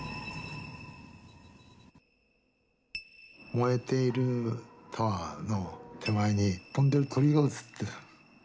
燃えているタワーの手前に飛んでる鳥が写ってる。